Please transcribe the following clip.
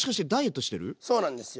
そうなんですよ。